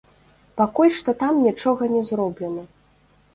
Пакуль што там нічога не зроблена.